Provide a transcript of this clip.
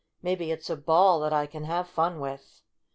Maybe it's a ball that I can have fun with!"